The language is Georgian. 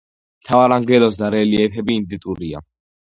მთავარანგელოზთა რელიეფები იდენტურია.